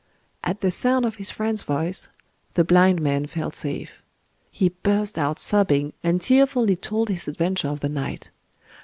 At the sound of his friend's voice, the blind man felt safe. He burst out sobbing, and tearfully told his adventure of the night.